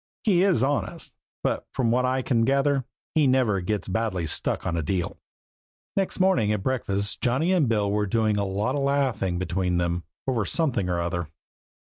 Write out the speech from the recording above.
He is honest, but from what I can gather he never gets badly stuck on a deal. Next morning at breakfast Johnny and Bill were doing a lot of laughing between them over something or other.